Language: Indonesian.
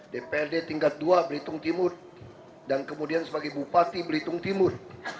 dprd tingkat dua belitung timur dan kemudian sebagai bupati belitung timur